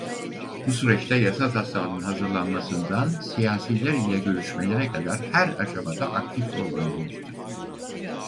Bu süreçte yasa taslağının hazırlanmasından siyasiler ile görüşmelere kadar her aşamada aktif rol oynamıştır.